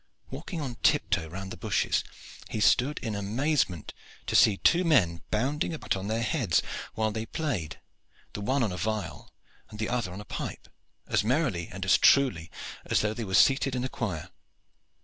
Walking on tiptoe round the bushes, he stood in amazement to see two men bounding about on their heads, while they played, the one a viol and the other a pipe, as merrily and as truly as though they were seated in a choir.